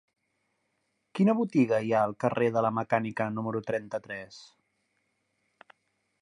Quina botiga hi ha al carrer de la Mecànica número trenta-tres?